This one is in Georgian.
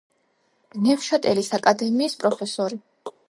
ნევშატელის აკადემიის პროფესორი.